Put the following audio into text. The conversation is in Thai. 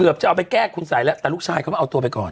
จะเอาไปแก้คุณสัยแล้วแต่ลูกชายเขามาเอาตัวไปก่อน